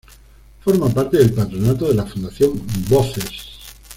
Forma parte del patronato de la fundación "Voces".